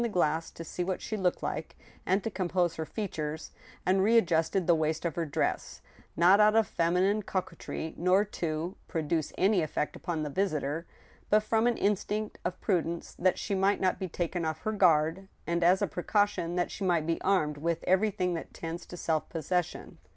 the glass, to see what she looked like, and to compose her features, and readjusted the waist of her dress, not out of feminine coquetry, nor to produce any effect upon the visitor, but from an instinct of prudence, that she might net be taken off her guard, and as a precaution that she might be armed with every thing that tends to self possession.